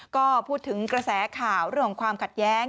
ก็พูดถึงกระแสข่าวเรื่องของความขัดแย้ง